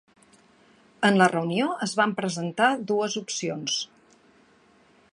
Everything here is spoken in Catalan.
En la reunió es van presentar dues opcions.